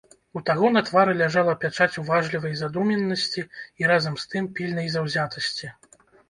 У таго на твары ляжала пячаць уважлівай задуменнасці і, разам з тым, пільнай заўзятасці.